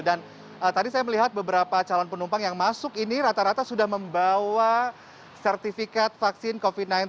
dan tadi saya melihat beberapa calon penumpang yang masuk ini rata rata sudah membawa sertifikat vaksin covid sembilan belas